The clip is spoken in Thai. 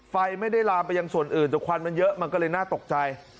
ไฟไม่ได้ลามไปยังส่วนอื่นแต่ควันมันเยอะมันก็เลยน่าตกใจ